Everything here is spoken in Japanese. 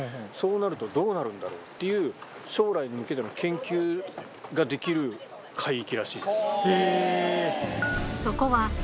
そうなると、どうなるんだろうっていう、将来に向けての研究ができる海域らしいです。